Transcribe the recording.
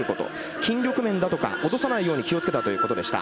筋力面だとか落とさないように気をつけたということでした。